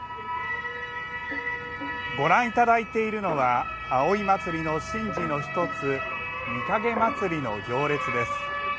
ご覧いただいているのは葵祭の神事の１つ御蔭祭の行列です。